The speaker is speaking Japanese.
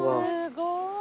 すごーい。